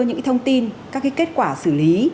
những thông tin các kết quả xử lý